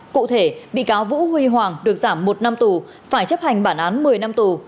cụ thể bị cáo vũ huy hoàng được giảm một năm tù phải chấp hành bản án một mươi năm tù